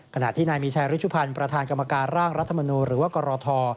ขณะที่นายมีชายริชุพันธ์ประธานกรรมการร่างรัฐมนูลหรือว่ากรท